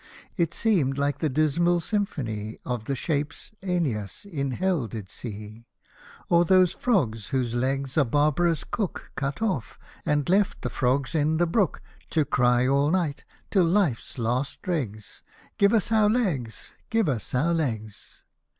It seemed like the dismal symphony Of the shapes ^neas in hell did see ; Or those frogs, whose legs a barbarous cook Cut off, and left the frogs in the brook. To cry all night, till life's last dregs, " Give us our legs !— give us our legs